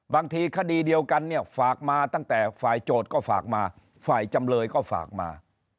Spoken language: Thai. คดีคดีเดียวกันเนี่ยฝากมาตั้งแต่ฝ่ายโจทย์ก็ฝากมาฝ่ายจำเลยก็ฝากมา